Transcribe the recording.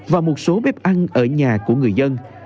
và một số bếp ăn ở nhà của người dân